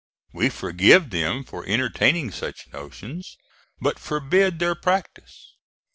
We forgive them for entertaining such notions, but forbid their practice.